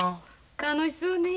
楽しそうね。